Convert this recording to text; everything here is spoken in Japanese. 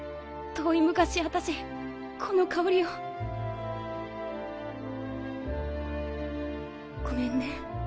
遠い昔アタシこの香りをごめんね。